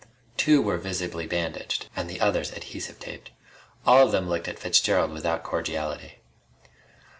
Two were visibly bandaged, and the others adhesive taped. All of them looked at Fitzgerald without cordiality.